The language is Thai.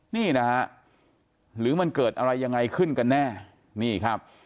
นี่นะฮะหรือมันเกิดอะไรยังไงขึ้นกันแน่นี่ครับ